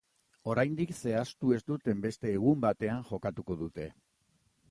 Oraindik zehaztu ez duten beste egun batean jokatuko dute.